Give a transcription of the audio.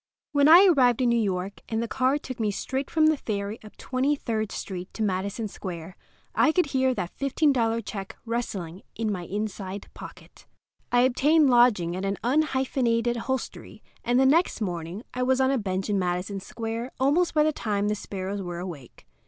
When I arrived in New York, and the car took me straight from the ferry up Twenty third Street to Madison Square, I could hear that $15 check rustling in my inside pocket. I obtained lodging at an unhyphenated hostelry, and the next morning I was on a bench in Madison Square almost by the time the sparrows were awake.